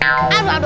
aduh aduh aduh